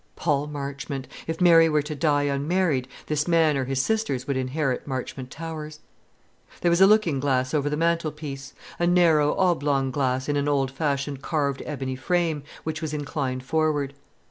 Paul Marchmont! If Mary were to die unmarried, this man or his sisters would inherit Marchmont Towers." There was a looking glass over the mantelpiece; a narrow, oblong glass, in an old fashioned carved ebony frame, which was inclined forward.